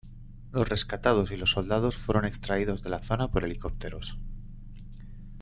Los rescatados y los soldados fueron extraídos de la zona por helicópteros.